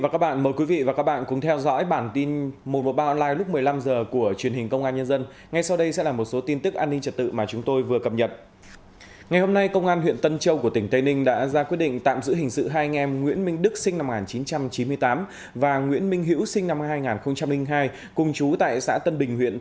các bạn hãy đăng ký kênh để ủng hộ kênh của chúng mình nhé